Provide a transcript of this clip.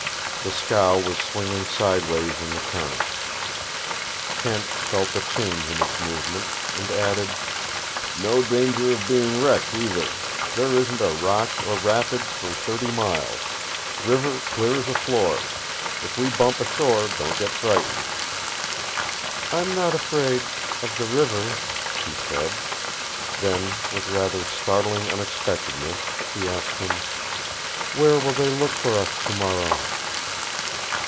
The scow was swinging sideways in the current. Kent felt the change in its movement, and added: "No danger of being wrecked, either. There isn't a rock or rapids for thirty miles. River clear as a floor. If we bump ashore, don't get frightened." "I'm not afraid of the river," she said. Then, with rather startling unexpectedness, she asked him, "Where will they look for us tomorrow?"